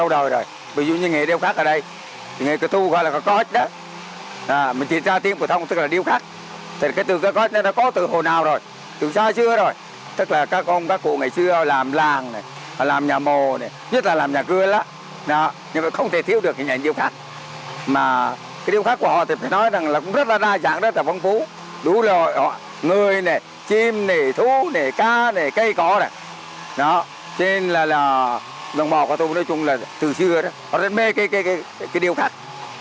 đúng rồi họ người này chim này thú này cá này cây có này đó trên là là lòng bọc của tôi nói chung là từ xưa đó họ rất mê cái điêu khắc